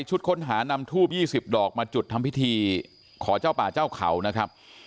ค้นหานำทูบ๒๐ดอกมาจุดทำพิธีขอเจ้าป่าเจ้าเขานะครับ